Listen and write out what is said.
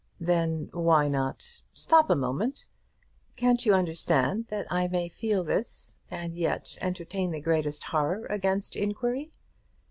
"Then why not " "Stop a moment. Can't you understand that I may feel this, and yet entertain the greatest horror against inquiry?